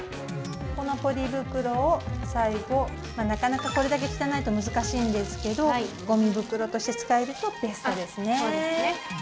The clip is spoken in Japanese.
このポリ袋を最後、なかなかこれだけ汚いと難しいんですけど、ごみ袋として使えるとベストですね。